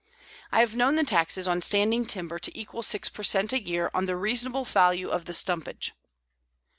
I have known the taxes on standing timber to equal six per cent. a year on the reasonable value of the stumpage.